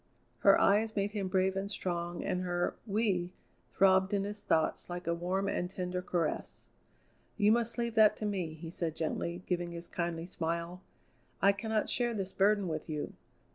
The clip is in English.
Her eyes made him brave and strong, and her "we" throbbed in his thoughts like a warm and tender caress. "You must leave that to me," he said gently, giving his kindly smile. "I cannot share this burden with you.